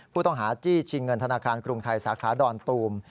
ผู้ต้องหาจี้ชิงเงินธนาคารกรุงไทยสาขาดอนตูม